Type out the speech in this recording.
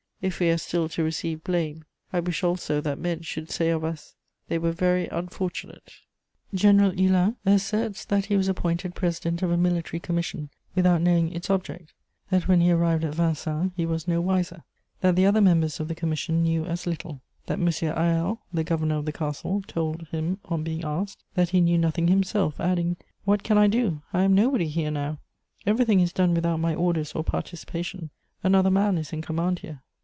If we are still to receive blame, I wish also that men should say of us: "'They were very unfortunate.'" * General Hulin asserts that he was appointed president of a military commission without knowing its object; that when he arrived at Vincennes he was no wiser; that the other members of the commission knew as little; that M. Harel, the governor of the castle, told him, on being asked, that he knew nothing himself, adding: "What can I do? I am nobody here now. Everything is done without my orders or participation: another man is in command here."